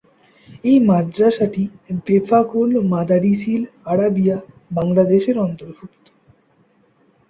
এই মাদ্রাসাটি বেফাকুল মাদারিসিল আরাবিয়া বাংলাদেশর অধিভুক্ত।